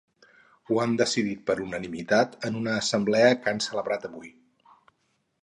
Ho han decidit per unanimitat en una assemblea que han celebrat avui.